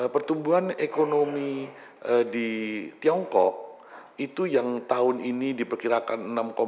pertumbuhan ekonomi di tiongkok itu yang tahun ini diperkirakan enam tujuh